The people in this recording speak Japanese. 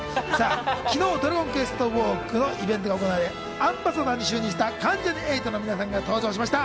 昨日『ドラゴンクエストウォーク』のイベントが行われ、アンバサダーに就任した関ジャニ∞の皆さんが登場しました。